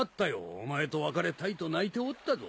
お前と別れたいと泣いておったぞ。